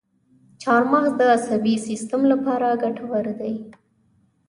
چارمغز د عصبي سیستم لپاره ګټور دی.